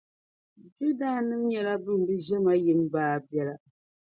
Judanim’ nyɛla bɛn bi ʒe ma yim baabiɛla.